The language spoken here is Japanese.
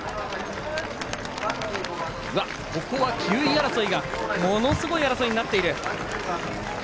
９位争いがものすごい争いになっている！